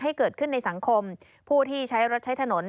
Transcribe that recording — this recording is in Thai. ให้เกิดขึ้นในสังคมผู้ที่ใช้รถใช้ถนน